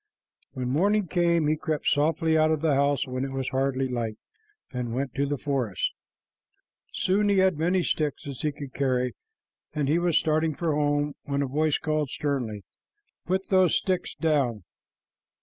When morning came, he crept softly out of the house when it was hardly light, and went to the forest. Soon he had as many sticks as he could carry, and he was starting for home when a voice called sternly, "Put those sticks down."